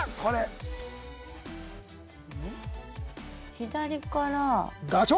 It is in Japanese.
左から。